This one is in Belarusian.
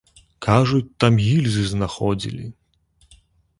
Кажуць, там гільзы знаходзілі.